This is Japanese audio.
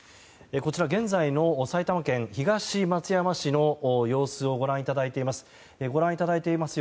こちら現在の埼玉県東松山市の様子をご覧いただいています。